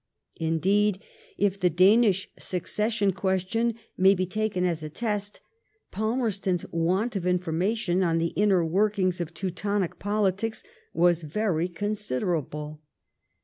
Indeed, if the Danish succession question may be taken as a test^ Palmerston's want of information on the inner workings of Teutonic politics was very considerable.